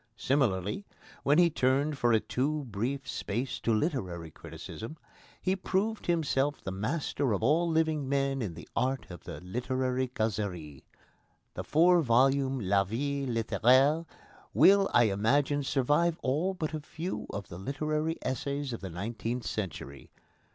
Similarly, when he turned for a too brief space to literary criticism, he proved himself the master of all living men in the art of the literary causerie. The four volumes of La Vie Littéraire will, I imagine, survive all but a few of the literary essays of the nineteenth century.